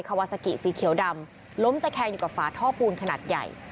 วาซากิสีเขียวดำล้มตะแคงอยู่กับฝาท่อปูนขนาดใหญ่